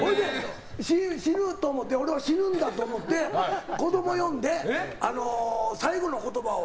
死ぬと思って俺は死ぬんだと思って子供を呼んで、最後の言葉を。